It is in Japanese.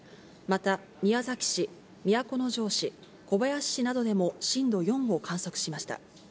また宮崎市、都城市、小林市などでも震度４を観測しました。